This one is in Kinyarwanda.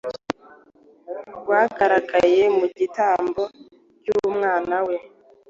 rwagaragaye mu gitambo cy’Umwana we,